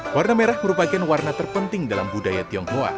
warna merah merupakan warna terpenting dalam budaya tionghoa